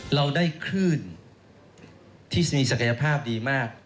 เราได้คลื่นที่มีศักยภาพดีมาก